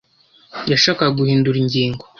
yashakaga guhindura ingingo.